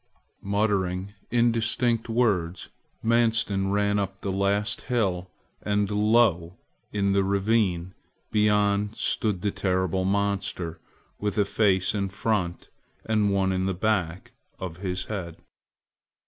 Muttering indistinct words, Manstin ran up the last hill and lo! in the ravine beyond stood the terrible monster with a face in front and one in the back of his head!